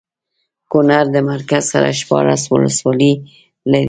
کونړ د مرکز سره شپاړس ولسوالۍ لري